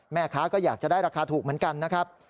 แม่ค้าก็อยากจะได้ราคาถูกเหมือนกันนะครับ